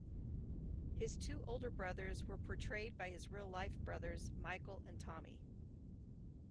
His two older brothers were portrayed by his real-life brothers, Michael and Tommy.